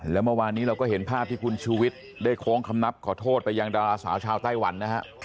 แล้วเมื่อวานนี้เราก็เห็นภาพที่คุณชูวิทย์ได้โค้งคำนับขอโทษไปยังดาราสาวชาวไต้หวันนะฮะ